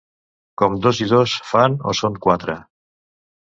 Com dos i dos fan o són quatre.